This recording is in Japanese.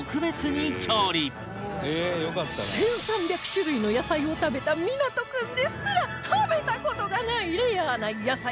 １３００種類の野菜を食べた湊君ですら食べた事がないレアな野菜